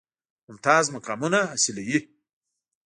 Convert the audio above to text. ممتاز مقامونه حاصلوي.